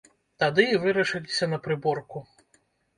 Тады і вырашыліся на прыборку.